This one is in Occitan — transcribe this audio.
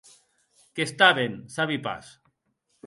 Qu’està ben; sabi pas.